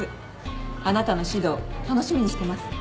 あなたの指導楽しみにしてます。